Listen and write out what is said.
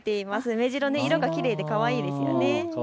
メジロ、色がきれいでかわいいですね。